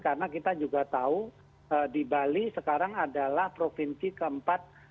karena kita juga tahu di bali sekarang adalah provinsi keempat